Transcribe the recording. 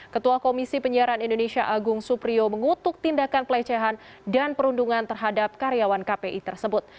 ketua komisi penyiaran indonesia agung suprio mengutuk tindakan pelecehan dan perundungan terhadap karyawan kpi tersebut